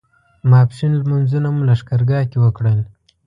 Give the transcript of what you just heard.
ماسپښین لمونځونه مو لښکرګاه کې وکړل.